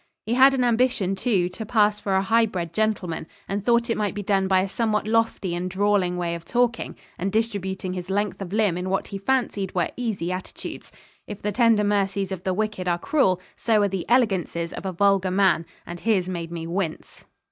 He had an ambition, too, to pass for a high bred gentleman, and thought it might be done by a somewhat lofty and drawling way of talking, and distributing his length of limb in what he fancied were easy attitudes. If the tender mercies of the wicked are cruel, so are the elegances of a vulgar man; and his made me wince.